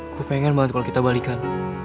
gue pengen banget kalau kita balikan